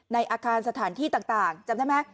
ในอาคารสถานที่ต่างจำได้ไหม